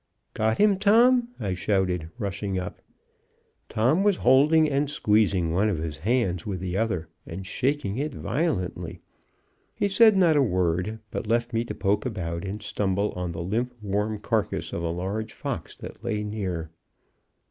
"Got him, Tom?" I shouted, rushing up. Tom was holding and squeezing one of his hands with the other and shaking it violently. He said not a word, and left me to poke about and stumble on the limp warm carcass of a large fox that lay near.